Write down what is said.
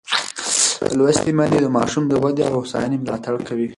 لوستې میندې د ماشوم د ودې او هوساینې ملاتړ کوي.